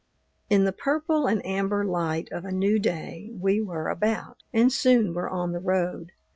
In the purple and amber light of a new day we were about, and soon were on the road.